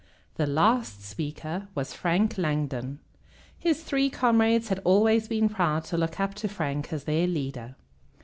The last speaker was Frank Langdon. His three comrades had always been proud to look up to Frank as their leader.